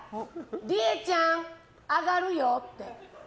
りえちゃん、上がるよって。